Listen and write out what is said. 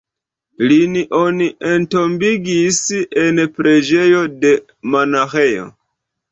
Lin oni entombigis en preĝejo de monaĥejo.